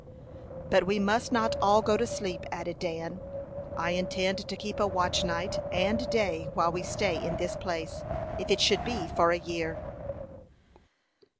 "But we must not all go to sleep," added Dan. "I intend to keep a watch night and day while we stay in this place, if it should be for a year."